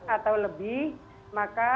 atau lebih maka